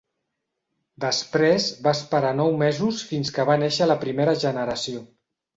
Després, va esperar nou mesos fins que va néixer la primera generació.